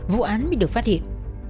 vụ án bị được phát hiện